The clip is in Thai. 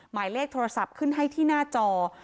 หมายเลขโทรศัพท์ขึ้นให้ที่หน้าจอ๐๔๓๐๐๙๙๐๐